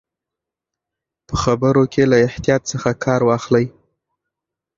په خبرو کې له احتیاط څخه کار واخلئ.